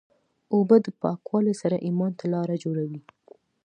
اوبه د پاکوالي سره ایمان ته لاره جوړوي.